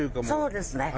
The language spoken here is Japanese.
そうですね。